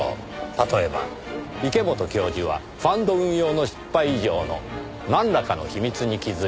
例えば池本教授はファンド運用の失敗以上のなんらかの秘密に気づいた。